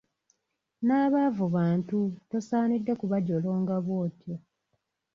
N'abaavu bantu tosaanidde kubajolonga bw'otyo.